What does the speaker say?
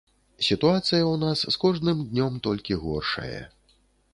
Сітуацыя ў нас з кожным днём толькі горшае.